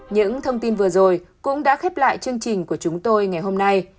những thông tin vừa rồi cũng đã khép lại chương trình của chúng tôi ngày hôm nay